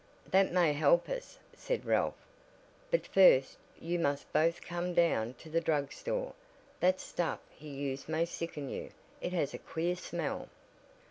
"That may help us," said Ralph. "But first you must both come down to the drug store. That stuff he used may sicken you. It has a queer smell."